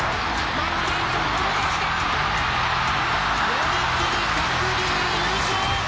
寄り切り、鶴竜優勝！